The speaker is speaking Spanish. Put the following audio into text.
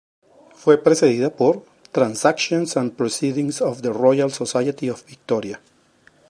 Fue precedida por "Transactions and Proceedings of the Royal Society of Victoria".